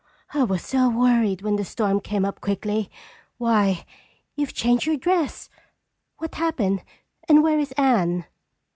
"I was so worried when the storm came up so quickly. Why, you've changed your dress! What happened and where is Anne?"